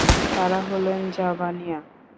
তারা হলেন যাবানিয়া।